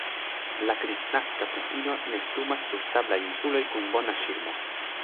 La Kristnaska pufino nestumas sur sablaj insuloj kun bona ŝirmo.